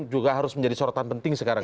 juga harus menjadi sorotan penting sekarang